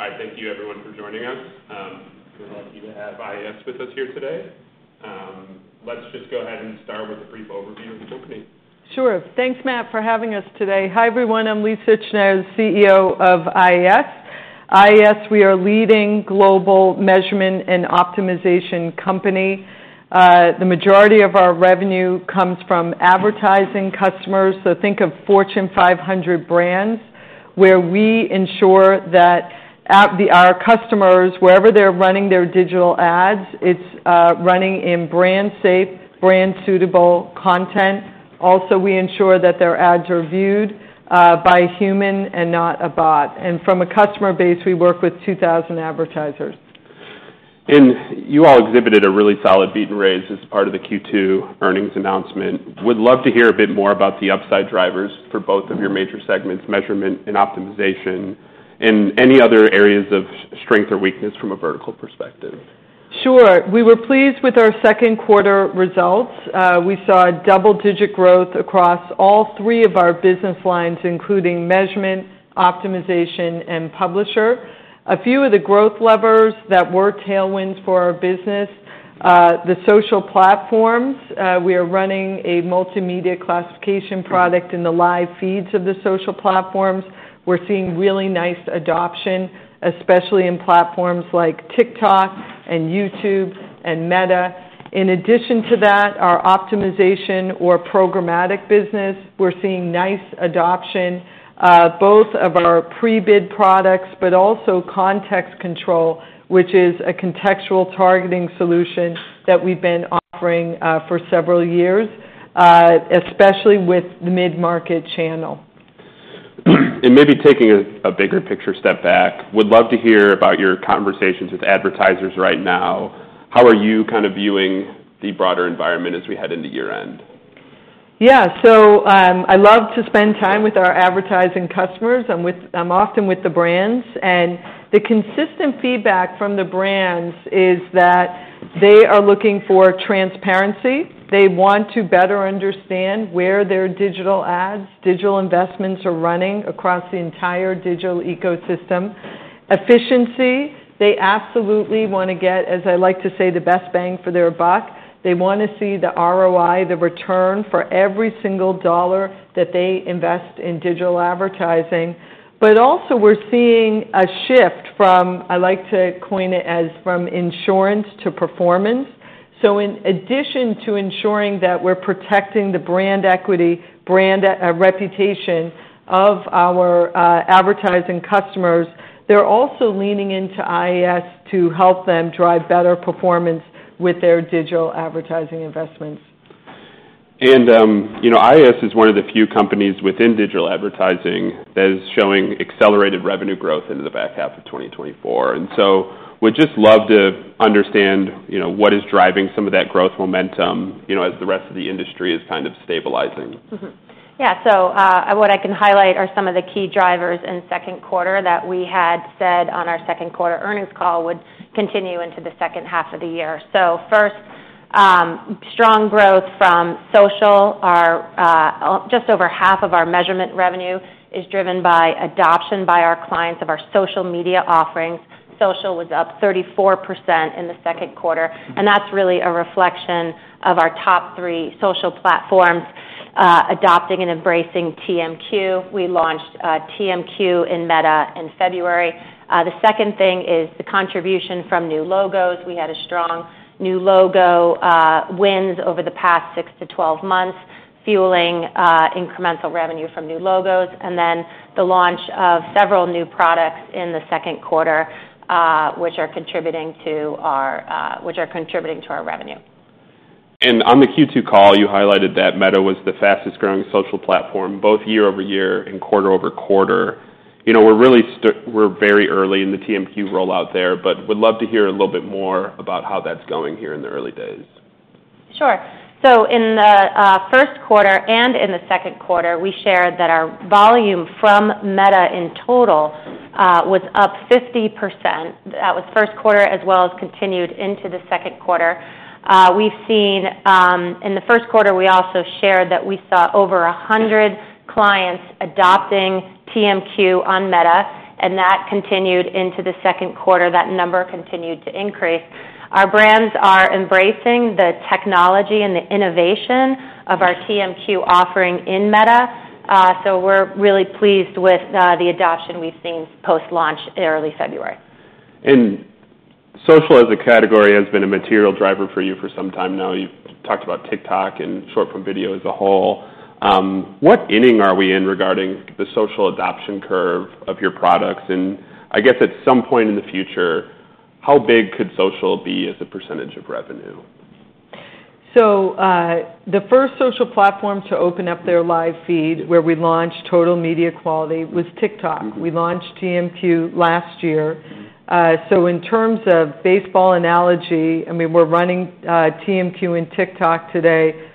Hi, thank you everyone for joining us. We're lucky to have IAS with us here today. Let's just go ahead and start with a brief overview of the company. Sure. Thanks, Matt, for having us today. Hi, everyone, I'm Lisa Utzschneider, CEO of IAS. IAS, we are a leading global measurement and optimization company. The majority of our revenue comes from advertising customers. So think of Fortune 500 brands, where we ensure that our customers, wherever they're running their digital ads, it's running in brand safe, brand suitable content. Also, we ensure that their ads are viewed by a human and not a bot. And from a customer base, we work with 2,000 advertisers. You all exhibited a really solid beat and raise as part of the Q2 earnings announcement. Would love to hear a bit more about the upside drivers for both of your major segments, measurement and optimization, and any other areas of strength or weakness from a vertical perspective? Sure. We were pleased with our second quarter results. We saw a double-digit growth across all three of our business lines, including measurement, optimization, and publisher. A few of the growth levers that were tailwinds for our business, the social platforms, we are running a multimedia classification product in the live feeds of the social platforms. We're seeing really nice adoption, especially in platforms like TikTok, and YouTube, and Meta. In addition to that, our optimization or programmatic business, we're seeing nice adoption, both of our pre-bid products, but also Context Control, which is a contextual targeting solution that we've been offering, for several years, especially with the mid-market channel. Maybe taking a bigger picture step back, would love to hear about your conversations with advertisers right now. How are you kind of viewing the broader environment as we head into year-end? Yeah. So, I love to spend time with our advertising customers, and I'm often with the brands, and the consistent feedback from the brands is that they are looking for transparency. They want to better understand where their digital ads, digital investments are running across the entire digital ecosystem. Efficiency, they absolutely want to get, as I like to say, the best bang for their buck. They want to see the ROI, the return, for every single dollar that they invest in digital advertising. But also, we're seeing a shift from, I like to coin it as, from insurance to performance. So in addition to ensuring that we're protecting the brand equity, brand reputation of our advertising customers, they're also leaning into IAS to help them drive better performance with their digital advertising investments. You know, IAS is one of the few companies within digital advertising that is showing accelerated revenue growth into the back half of twenty twenty-four. So would just love to understand, you know, what is driving some of that growth momentum, you know, as the rest of the industry is kind of stabilizing. Mm-hmm. Yeah, so what I can highlight are some of the key drivers in second quarter that we had said on our second quarter earnings call would continue into the second half of the year. So first, strong growth from social. Our just over half of our measurement revenue is driven by adoption by our clients of our social media offerings. Social was up 34% in the second quarter, and that's really a reflection of our top three social platforms adopting and embracing TMQ. We launched TMQ in Meta in February. The second thing is the contribution from new logos. We had a strong new logo wins over the past 6 to 12 months, fueling incremental revenue from new logos, and then the launch of several new products in the second quarter, which are contributing to our revenue. On the Q2 call, you highlighted that Meta was the fastest growing social platform, both year over year and quarter over quarter. You know, we're really very early in the TMQ rollout there, but would love to hear a little bit more about how that's going here in the early days. Sure. So in the first quarter and in the second quarter, we shared that our volume from Meta in total was up 50%. That was first quarter, as well as continued into the second quarter. We've seen. In the first quarter, we also shared that we saw over 100 clients adopting TMQ on Meta, and that continued into the second quarter. That number continued to increase. Our brands are embracing the technology and the innovation of our TMQ offering in Meta, so we're really pleased with the adoption we've seen post-launch in early February. Social as a category has been a material driver for you for some time now. You've talked about TikTok and short-form video as a whole. What inning are we in regarding the social adoption curve of your products? I guess at some point in the future, how big could social be as a percentage of revenue? So, the first social platform to open up their live feed, where we launched Total Media Quality, was TikTok. We launched TMQ last year. So in terms of baseball analogy, I mean, we're running, TMQ and TikTok today,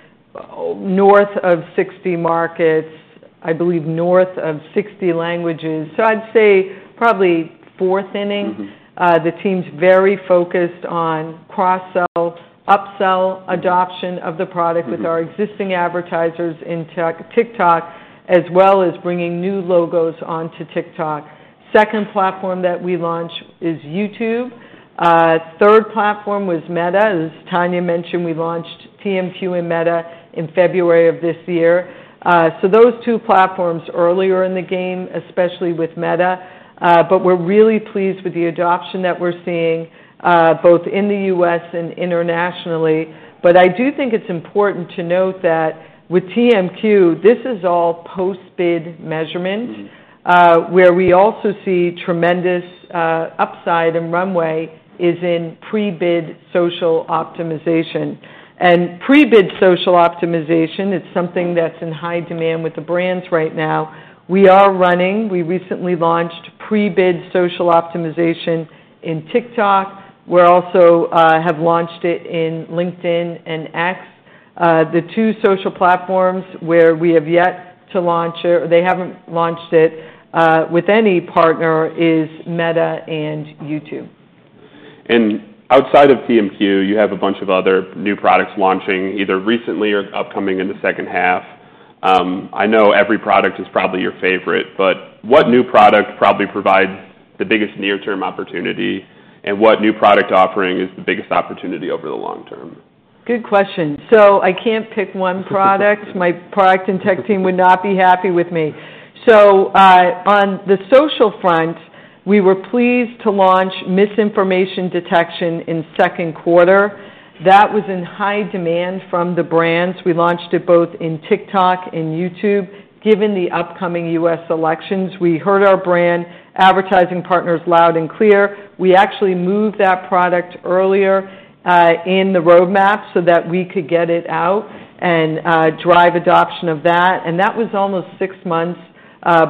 north of 60 markets, I believe north of 60 languages. So I'd say probably fourth inning. Mm-hmm. The team's very focused on cross-sell, upsell, adoption of the product- Mm-hmm... with our existing advertisers in TikTok, as well as bringing new logos onto TikTok. Second platform that we launched is YouTube. Third platform was Meta. As Tania mentioned, we launched TMQ and Meta in February of this year. So those two platforms earlier in the game, especially with Meta, but we're really pleased with the adoption that we're seeing, both in the U.S. and internationally. But I do think it's important to note that with TMQ, this is all post-bid measurement, where we also see tremendous upside, and runway is in pre-bid social optimization. And pre-bid social optimization, it's something that's in high demand with the brands right now. We recently launched pre-bid social optimization in TikTok. We're also have launched it in LinkedIn and X. The two social platforms where we have yet to launch it, or they haven't launched it, with any partner, is Meta and YouTube. Outside of TMQ, you have a bunch of other new products launching, either recently or upcoming in the second half. I know every product is probably your favorite, but what new product probably provides the biggest near-term opportunity, and what new product offering is the biggest opportunity over the long term? Good question. So I can't pick one product. My product and tech team would not be happy with me. So, on the social front, we were pleased to launch misinformation detection in second quarter. That was in high demand from the brands. We launched it both in TikTok and YouTube, given the upcoming U.S. elections. We heard our brand advertising partners loud and clear. We actually moved that product earlier, in the roadmap so that we could get it out and, drive adoption of that, and that was almost six months,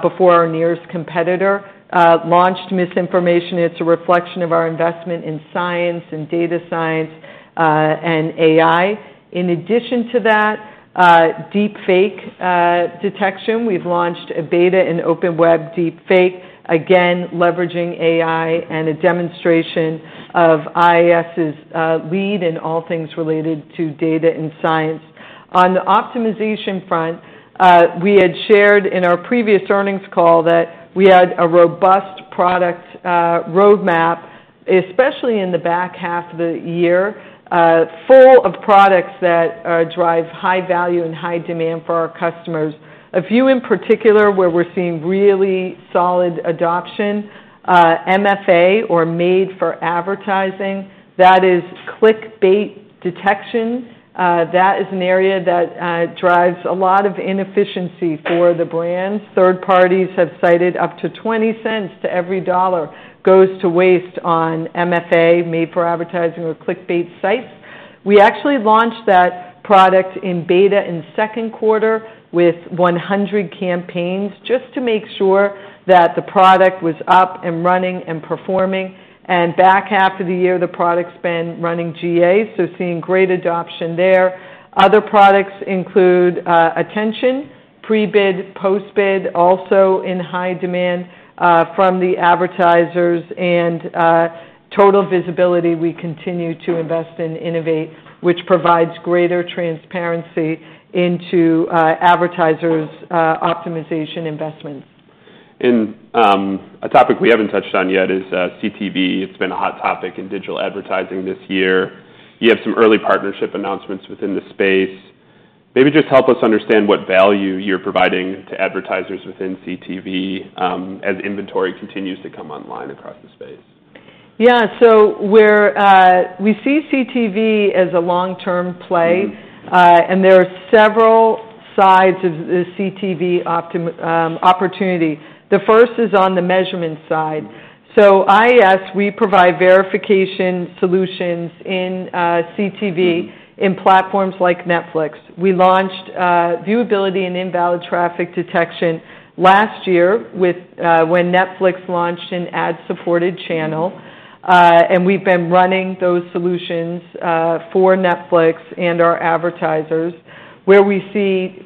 before our nearest competitor, launched misinformation. It's a reflection of our investment in science and data science, and AI. In addition to that, deepfake detection. We've launched a beta and open web deepfake, again, leveraging AI and a demonstration of IAS's lead in all things related to data and science. On the optimization front, we had shared in our previous earnings call that we had a robust product roadmap, especially in the back half of the year, full of products that drive high value and high demand for our customers. A few in particular, where we're seeing really solid adoption, MFA or Made for Advertising. That is clickbait detection. That is an area that drives a lot of inefficiency for the brands. Third parties have cited up to $0.20 to every $1 goes to waste on MFA, Made for Advertising or clickbait sites. We actually launched that product in beta in second quarter with 100 campaigns, just to make sure that the product was up and running and performing, and back half of the year, the product's been running GA, so seeing great adoption there. Other products include attention, pre-bid, post-bid, also in high demand from the advertisers, and Total Visibility, we continue to invest and innovate, which provides greater transparency into advertisers' optimization investments. A topic we haven't touched on yet is CTV. It's been a hot topic in digital advertising this year. You have some early partnership announcements within the space. Maybe just help us understand what value you're providing to advertisers within CTV, as inventory continues to come online across the space. Yeah. So we're, we see CTV as a long-term play. Mm-hmm. And there are several sides of the CTV optimization opportunity. The first is on the measurement side. So IAS, we provide verification solutions in CTV. Mm-hmm in platforms like Netflix. We launched viewability and invalid traffic detection last year with when Netflix launched an ad-supported channel. And we've been running those solutions for Netflix and our advertisers. Where we see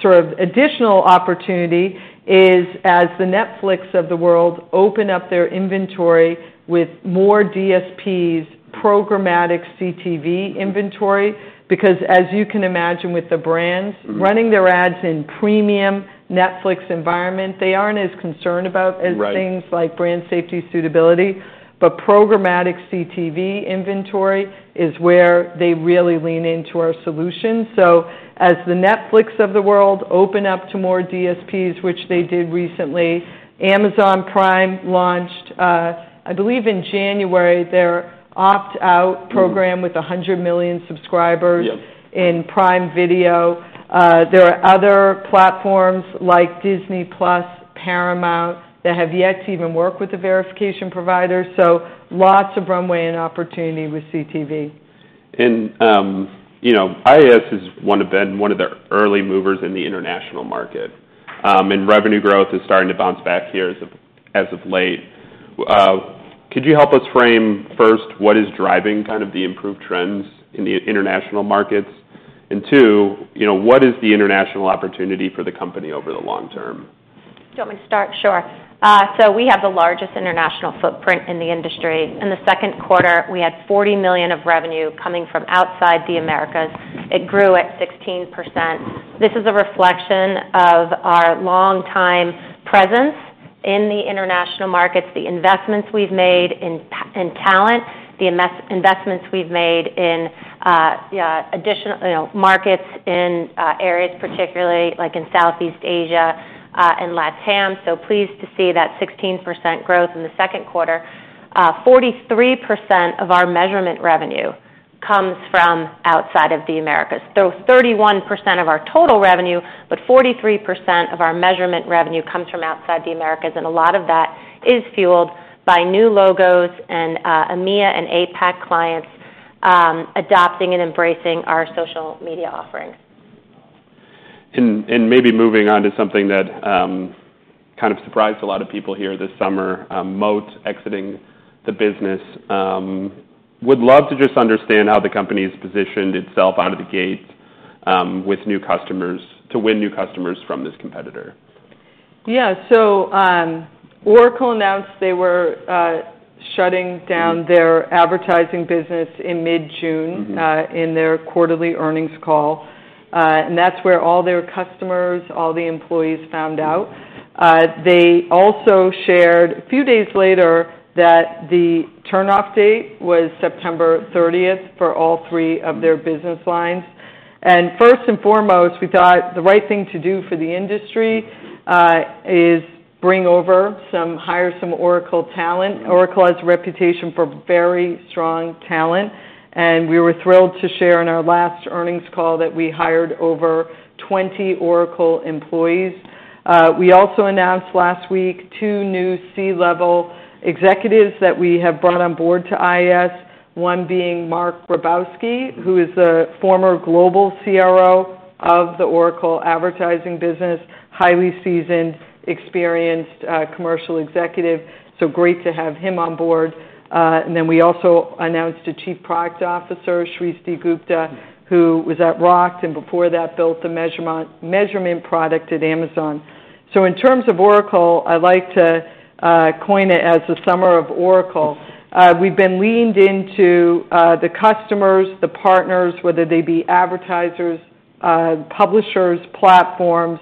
sort of additional opportunity is, as the Netflix of the world open up their inventory with more DSPs programmatic CTV inventory, because as you can imagine, with the brands- Mm-hmm running their ads in premium Netflix environment, they aren't as concerned about Right as things like brand safety, suitability, but programmatic CTV inventory is where they really lean into our solutions. So as the Netflix of the world open up to more DSPs, which they did recently, Amazon Prime launched, I believe, in January, their opt-out program- Mm with 100 million subscribers Yep -in Prime Video. There are other platforms like Disney+, Paramount, that have yet to even work with a verification provider, so lots of runway and opportunity with CTV. You know, IAS has been one of the early movers in the international market, and revenue growth is starting to bounce back here as of late. Could you help us frame first what is driving kind of the improved trends in the international markets? Two, you know, what is the international opportunity for the company over the long term? Do you want me to start? Sure. So we have the largest international footprint in the industry. In the second quarter, we had $40 million of revenue coming from outside the Americas. It grew at 16%. This is a reflection of our longtime presence in the international markets, the investments we've made in talent, the investments we've made in addition, you know, markets in areas particularly like in Southeast Asia and LatAm. So pleased to see that 16% growth in the second quarter. 43% of our measurement revenue comes from outside of the Americas, though 31% of our total revenue, but 43% of our measurement revenue comes from outside of the Americas, and a lot of that is fueled by new logos and EMEA and APAC clients adopting and embracing our social media offerings. Maybe moving on to something that kind of surprised a lot of people here this summer, Moat exiting the business. Would love to just understand how the company's positioned itself out of the gate with new customers to win new customers from this competitor. Yeah. Oracle announced they were shutting down their advertising business in mid-June. Mm-hmm... in their quarterly earnings call. And that's where all their customers, all the employees found out. They also shared, a few days later, that the turn-off date was September thirtieth for all three of their business lines. And first and foremost, we thought the right thing to do for the industry is to hire some Oracle talent. Oracle has a reputation for very strong talent, and we were thrilled to share in our last earnings call that we hired over twenty Oracle employees. We also announced last week two new C-level executives that we have brought on board to IAS, one being Mark Grabowski, who is a former global CRO of the Oracle advertising business, highly seasoned, experienced commercial executive, so great to have him on board. And then we also announced a Chief Product Officer, Srishti Gupta, who was at Roku, and before that, built the measurement product at Amazon. So in terms of Oracle, I like to coin it as the summer of Oracle. We've been leaning into the customers, the partners, whether they be advertisers, publishers, platforms.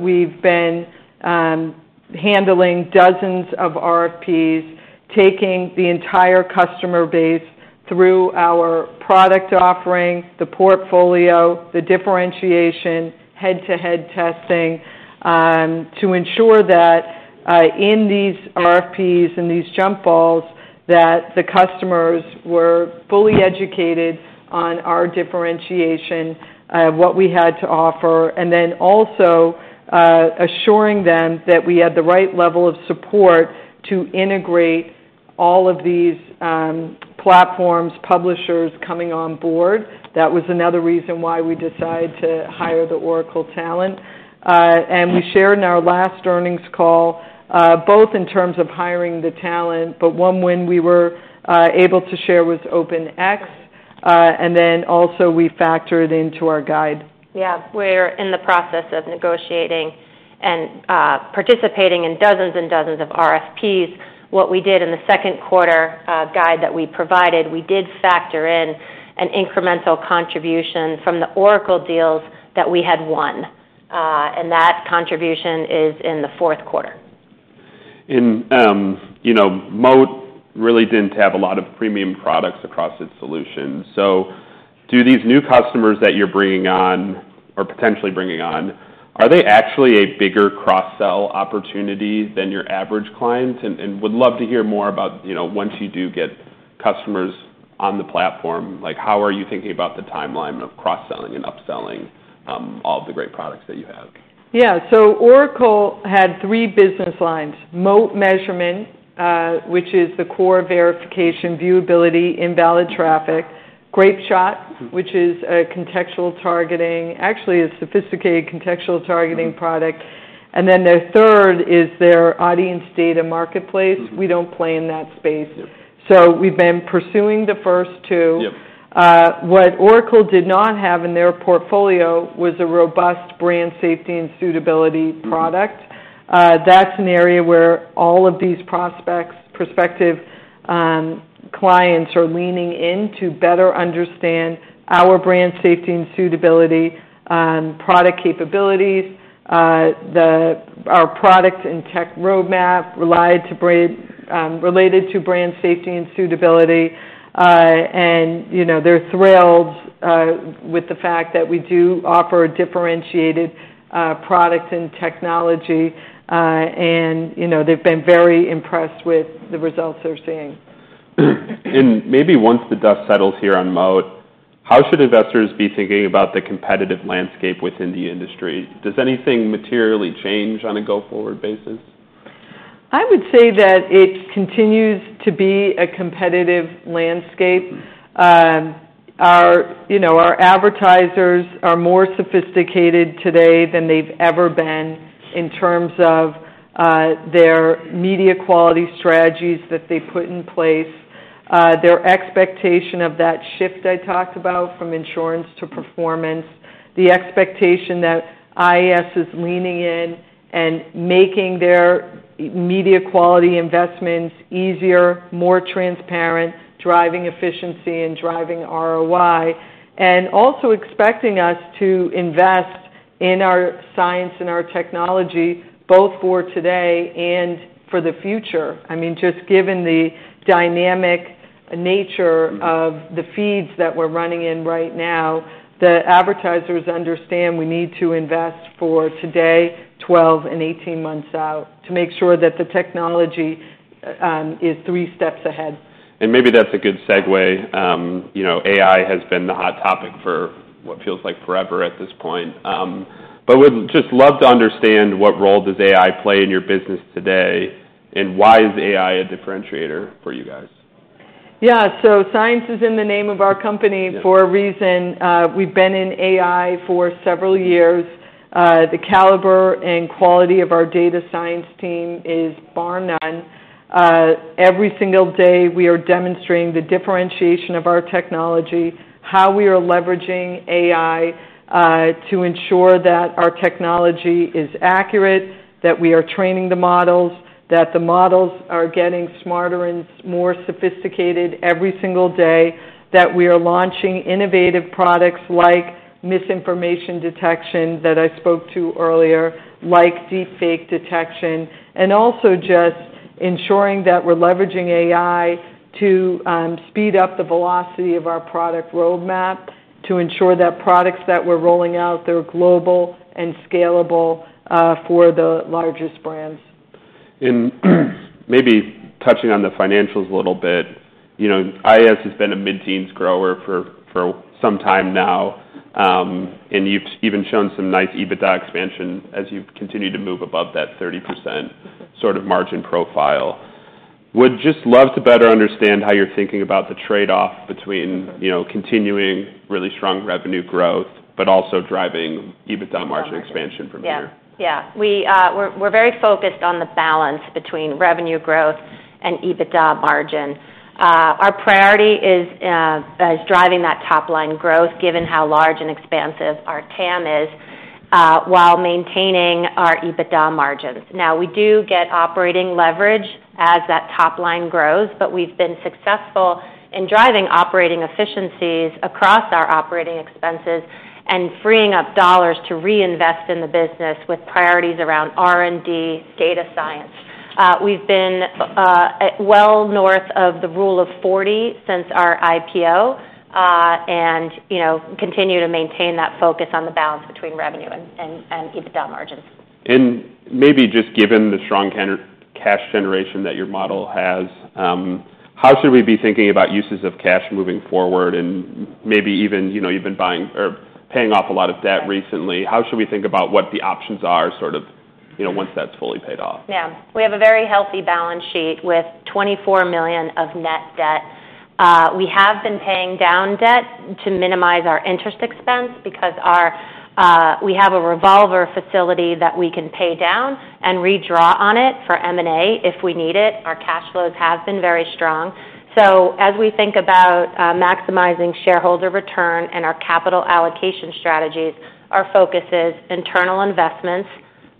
We've been handling dozens of RFPs, taking the entire customer base through our product offering, the portfolio, the differentiation, head-to-head testing, to ensure that in these RFPs, in these jump balls, that the customers were fully educated on our differentiation, what we had to offer, and then also assuring them that we had the right level of support to integrate all of these platforms, publishers coming on board. That was another reason why we decided to hire the Oracle talent. and we shared in our last earnings call both in terms of hiring the talent, but one, when we were able to share with OpenX, and then also we factored into our guide. Yeah, we're in the process of negotiating and participating in dozens and dozens of RFPs. What we did in the second quarter guide that we provided, we did factor in an incremental contribution from the Oracle deals that we had won, and that contribution is in the fourth quarter. You know, Moat really didn't have a lot of premium products across its solution. So do these new customers that you're bringing on or potentially bringing on, are they actually a bigger cross-sell opportunity than your average client? And would love to hear more about, you know, once you do get customers on the platform, like, how are you thinking about the timeline of cross-selling and upselling all of the great products that you have? Yeah. So Oracle had three business lines: Moat Measurement, which is the core verification, viewability, invalid traffic, Grapeshot, which is a contextual targeting, actually a sophisticated contextual targeting product, and then the third is their audience data marketplace. Mm-hmm. We don't play in that space. Yep. We've been pursuing the first two. Yep. What Oracle did not have in their portfolio was a robust brand safety and suitability product. Mm-hmm. That's an area where all of these prospective clients are leaning in to better understand our brand safety and suitability product capabilities, our product and tech roadmap related to brand safety and suitability, and you know, they're thrilled with the fact that we do offer a differentiated product and technology, and you know, they've been very impressed with the results they're seeing. Maybe once the dust settles here on Moat, how should investors be thinking about the competitive landscape within the industry? Does anything materially change on a go-forward basis? I would say that it continues to be a competitive landscape. Our, you know, our advertisers are more sophisticated today than they've ever been in terms of their media quality strategies that they put in place, their expectation of that shift I talked about from insurance to performance, the expectation that IAS is leaning in and making their media quality investments easier, more transparent, driving efficiency and driving ROI, and also expecting us to invest in our science and our technology, both for today and for the future. I mean, just given the dynamic nature of the feeds that we're running in right now, the advertisers understand we need to invest for today, 12 and 18 months out, to make sure that the technology is three steps ahead. Maybe that's a good segue. You know, AI has been the hot topic for what feels like forever at this point, but we'd just love to understand what role does AI play in your business today, and why is AI a differentiator for you guys? Yeah, so science is in the name of our company for a reason. We've been in AI for several years. The caliber and quality of our data science team is bar none. Every single day, we are demonstrating the differentiation of our technology, how we are leveraging AI to ensure that our technology is accurate, that we are training the models, that the models are getting smarter and more sophisticated every single day, that we are launching innovative products like misinformation detection that I spoke to earlier, like deepfake detection, and also just ensuring that we're leveraging AI to speed up the velocity of our product roadmap, to ensure that products that we're rolling out, they're global and scalable for the largest brands. Maybe touching on the financials a little bit. You know, IAS has been a mid-teens grower for some time now, and you've even shown some nice EBITDA expansion as you've continued to move above that 30% sort of margin profile. Would just love to better understand how you're thinking about the trade-off between, you know, continuing really strong revenue growth, but also driving EBITDA margin expansion from here? Yeah. Yeah. We are very focused on the balance between revenue growth and EBITDA margin. Our priority is driving that top line growth, given how large and expansive our TAM is, while maintaining our EBITDA margins. Now, we do get operating leverage as that top line grows, but we've been successful in driving operating efficiencies across our operating expenses and freeing up dollars to reinvest in the business with priorities around R&D, data science. We have been well north of the Rule of 40 since our IPO, and you know, continue to maintain that focus on the balance between revenue and EBITDA margins. And maybe just given the strong counter-cyclical cash generation that your model has, how should we be thinking about uses of cash moving forward? And maybe even, you know, you've been buying or paying off a lot of debt recently. How should we think about what the options are, sort of, you know, once that's fully paid off? Yeah. We have a very healthy balance sheet with $24 million of net debt. We have been paying down debt to minimize our interest expense because our, we have a revolver facility that we can pay down and redraw on it for M&A if we need it. Our cash flows have been very strong. So as we think about, maximizing shareholder return and our capital allocation strategies, our focus is internal investments,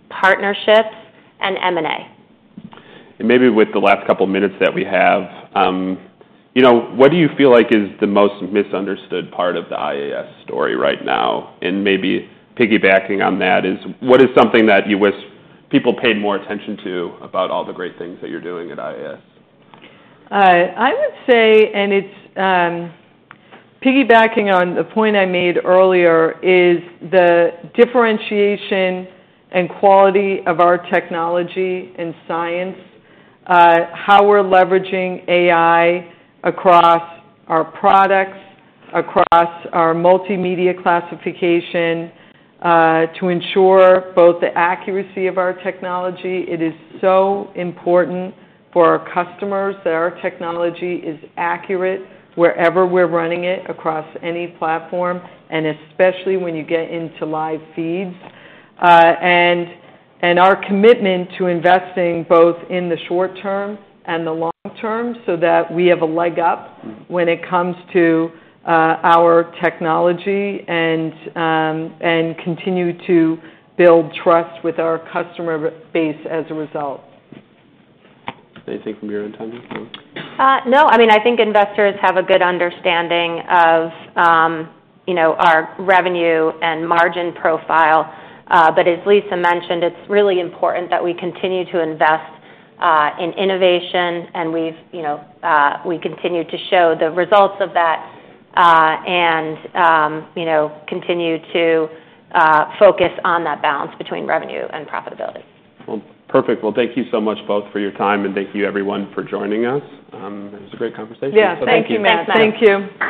partnerships, and M&A. And maybe with the last couple of minutes that we have, you know, what do you feel like is the most misunderstood part of the IAS story right now? And maybe piggybacking on that is, what is something that you wish people paid more attention to about all the great things that you're doing at IAS? I would say, and it's piggybacking on the point I made earlier, is the differentiation and quality of our technology and science, how we're leveraging AI across our products, across our multimedia classification, to ensure both the accuracy of our technology. It is so important for our customers that our technology is accurate wherever we're running it, across any platform, and especially when you get into live feeds. And our commitment to investing, both in the short term and the long term, so that we have a leg up when it comes to our technology and continue to build trust with our customer base as a result. Anything from your end, Tania? No. I mean, I think investors have a good understanding of, you know, our revenue and margin profile. But as Lisa mentioned, it's really important that we continue to invest in innovation, and we've, you know, we continue to show the results of that, and, you know, continue to focus on that balance between revenue and profitability. Perfect. Thank you so much both for your time, and thank you, everyone, for joining us. It was a great conversation. Yeah. Thank you, Matt. Yeah, thanks. Thank you.